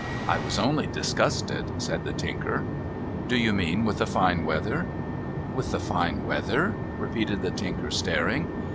' I was only disgusted,' said the Tinker. ' Do you mean with the fine weather ?'' With the fine weather ?' repeated the Tinker, staring.